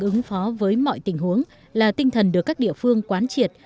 ứng phó với mọi tình huống là tinh thần được các địa phương quán triệt